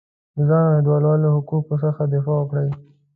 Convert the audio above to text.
د ځان او هېوادوالو حقونو څخه دفاع وکړي.